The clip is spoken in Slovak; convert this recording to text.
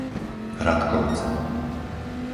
Ratkovce